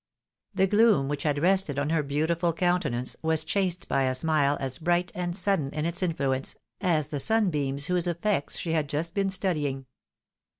The gloom which had rested on her beautiful countenance, a 98 THE WIDOW MARRIED. was chased by a smile as bright and sudden in its influence, as the sunbeams whose effects she had just been studying.